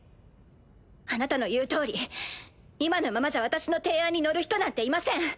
あなたの言うとおり今のままじゃ私の提案に乗る人なんていません。